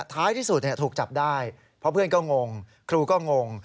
ท้ายที่สุดถูกจับได้เพราะเพื่อนก็งงครูก็งง